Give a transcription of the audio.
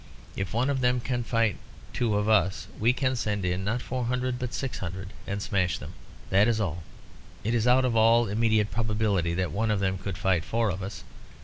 If one of them can fight two of us we can send in, not four hundred, but six hundred, and smash him. That is all. It is out of all immediate probability that one of them could fight four of us.